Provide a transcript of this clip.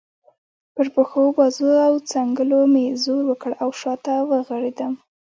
پر پښو، بازو او څنګلو مې زور وکړ او شا ته ورغړېدم.